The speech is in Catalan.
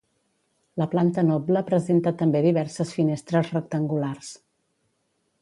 La planta noble presenta també diverses finestres rectangulars.